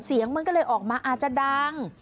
เสียงมันก็เลยออกมาอาจจะดัง